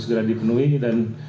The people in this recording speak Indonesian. segera dipenuhi dan